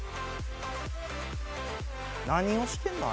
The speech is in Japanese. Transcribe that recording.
何をしてんの？